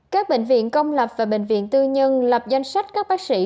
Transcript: các bệnh viện công lập và bệnh viện tư nhân lập danh sách các bác sĩ